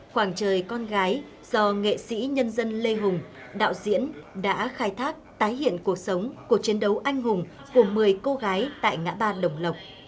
khoảng trời con gái do nghệ sĩ nhân dân lê hùng đạo diễn đã khai thác tái hiện cuộc sống của chiến đấu anh hùng của một mươi cô gái tại ngã ba đồng lộc